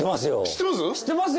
知ってます？